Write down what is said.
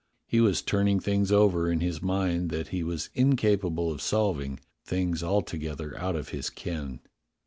He was turning things over in his mind that he was incapable of solving — things alto gether out of his ken.